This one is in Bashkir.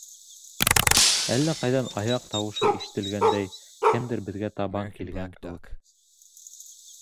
Әллә ҡайҙан аяҡ тауышы ишетелгәндәй, кемдер беҙгә табан килгән кеүек.